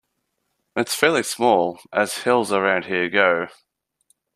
It's fairly small as hills around here go.